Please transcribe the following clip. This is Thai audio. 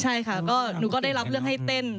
ใช่ค่ะก็หนูก็ได้รับเรื่องให้เต้น